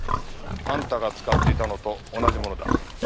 あんたが使っていたのと同じものだ。